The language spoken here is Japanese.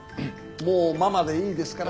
もう「ママ」でいいですから。